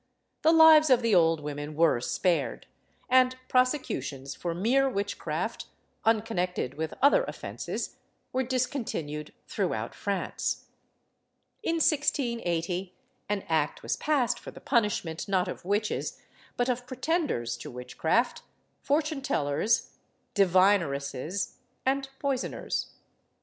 The lives of the old women were spared, and prosecutions for mere witchcraft, unconnected with other offences, were discontinued throughout France. In 1680 an act was passed for the punishment, not of witches, but of pretenders to witchcraft, fortune tellers, divineresses, and poisoners.